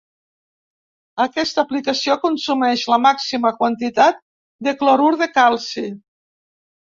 Aquesta aplicació consumeix la màxima quantitat de clorur de calci.